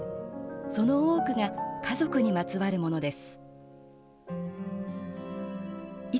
その多くが家族にまつわるものです。